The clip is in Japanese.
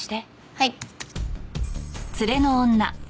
はい。